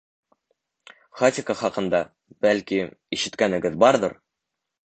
Хатико хаҡында, бәлки, ишеткәнегеҙ барҙыр.